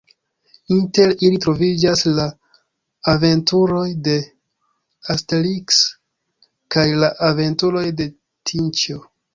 Inter ili troviĝas la Aventuroj de Asteriks, kaj la Aventuroj de Tinĉjo.